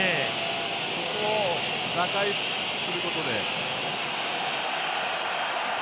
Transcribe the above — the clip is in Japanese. そこを打開することで。